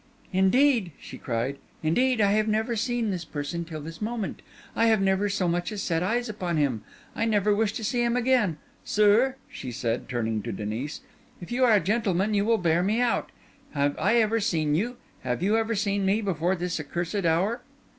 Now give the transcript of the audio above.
"Indeed," she cried, "indeed, I have never seen this person till this moment—I have never so much as set eyes upon him—I never wish to see him again. Sir," she said, turning to Denis, "if you are a gentleman, you will bear me out. Have I ever seen you—have you ever seen me—before this accursed hour?"